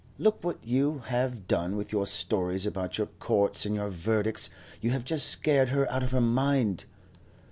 Look what you have done, with your stories about your courts and your verdicts. You have just scared her out of her mind."